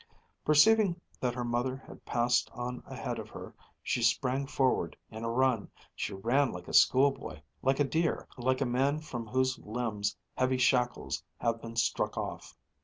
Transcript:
Perceiving that her mother had passed on ahead of her she sprang forward in a run. She ran like a schoolboy, like a deer, like a man from whose limbs heavy shackles have been struck off.